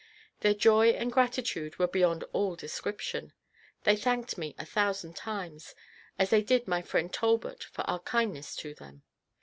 Their joy and gratitude were beyond all description; they thanked me a thousand times, as they did my friend Talbot for our kindness to them.